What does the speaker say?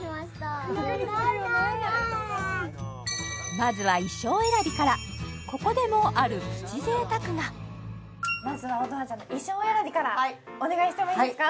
まずは衣装選びからここでもあるプチ贅沢がまずは音羽ちゃんの衣装選びからお願いしてもいいですか？